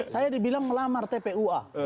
saya dibilang melamar tpua